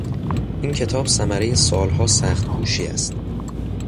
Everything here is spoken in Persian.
این کتاب ثمرهی سالها سخت کوشی است.